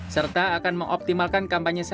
serta akan mengoptimalkan kampanye